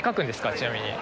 ちなみに。